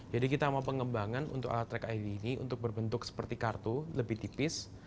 jadi kita mau pengembangan untuk alat track id ini untuk berbentuk seperti kartu lebih tipis